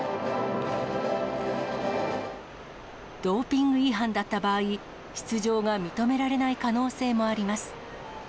ドーピング違反だった場合、出場が認められない可能性もあります。